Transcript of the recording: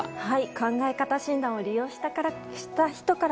考え方診断を利用した方から。